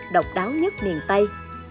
độc đáo nhất miền tây